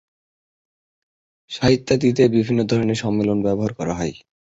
সাহিত্যাদিতে বিভিন্ন ধরনের সম্মেলন ব্যবহার করা হয়।